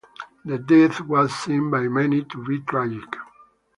The death was seen by many to be tragic.